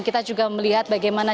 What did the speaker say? kita juga melihat bagaimana